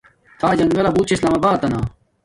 تھا جنگلہ بوت چھے اسلام آباتنا